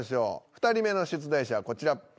２人目の出題者はこちら。